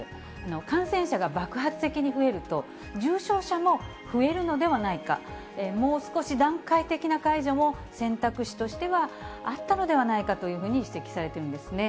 感染者が爆発的に増えると、重症者も増えるのではないか、もう少し段階的な解除も選択肢としてはあったのではないかというふうに指摘されているんですね。